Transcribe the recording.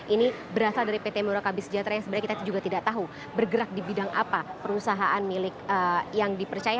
ini berasal dari pt murakabi sejahtera yang sebenarnya kita juga tidak tahu bergerak di bidang apa perusahaan milik yang dipercaya